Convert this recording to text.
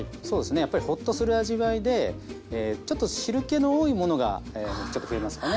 やっぱりほっとする味わいでちょっと汁けの多いものがちょっと増えますかね